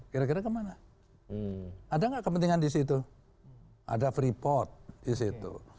kira kira kemana ada nggak kepentingan di situ ada freeport di situ